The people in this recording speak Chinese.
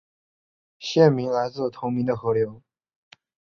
县名来自同名的河流。